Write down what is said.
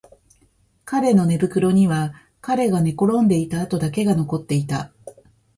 彼の寝袋には彼が寝転んでいた跡だけが残っていた